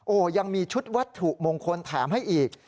โอ้โหยังมีชุดวัตถุมงคลแถมให้อีก